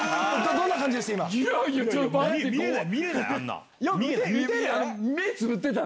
どんな感じでした？